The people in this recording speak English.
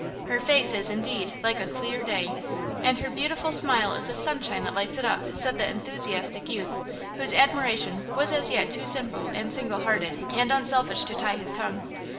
Her face is, indeed, like a clear day, and her beautiful smile is the sunshine that lights it up!" said the enthusiastic youth, whose admiration was as yet too simple and single hearted and unselfish to tie his tongue.